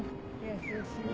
優しいわ。